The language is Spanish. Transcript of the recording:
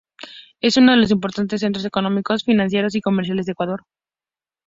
Es uno de los más importantes centros económicos, financieros y comerciales del Ecuador.